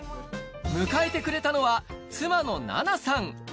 迎えてくれたのは、妻の奈那さん。